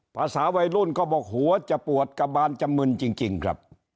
ภาษาวัยรุ่นก็บอกหัวจะปวดกระบานจะมึนจริงครับ